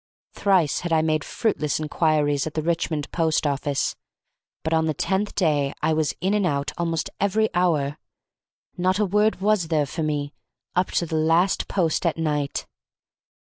Thrice had I made fruitless inquiries at the Richmond post office; but on the tenth day I was in and out almost every hour. Not a word was there for me up to the last post at night.